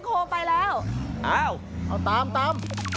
โปรดติดตามต่อไป